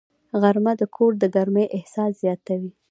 غرمه د کور د ګرمۍ احساس زیاتوي